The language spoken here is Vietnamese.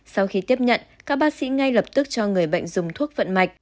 sau khi tiếp nhận các bác sĩ ngay lập tức cho người bệnh dùng thuốc vận mạch